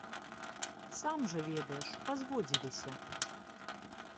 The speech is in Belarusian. Сам жа ведаеш, пазводзіліся.